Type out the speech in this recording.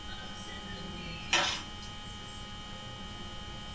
Z těchto pokusů se určila tuhost mostu.